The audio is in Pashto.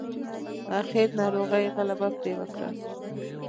اخير ناروغۍ غلبه پرې وکړه.